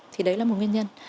thì đấy là một nguyên nhân